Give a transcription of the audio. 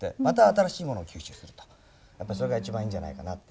やっぱやっぱそれが一番いいんじゃないかなって。